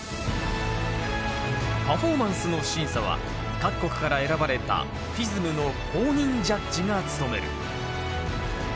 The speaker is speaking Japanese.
パフォーマンスの審査は各国から選ばれたＦＩＳＭの公認ジャッジが務める。